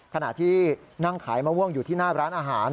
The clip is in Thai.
ขณะที่นั่งขายมะม่วงอยู่ที่หน้าร้านอาหาร